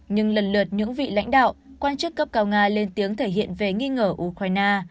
nhưng lần lượt những vị lãnh đạo quan chức cấp cao nga lên tiếng thể hiện về nghi ngờ ukraine